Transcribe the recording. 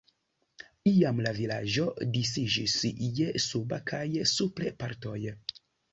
Iam la vilaĝo disiĝis je suba kaj supre partoj.